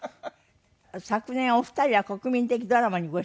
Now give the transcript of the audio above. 昨年お二人は国民的ドラマにご出演だったんですね。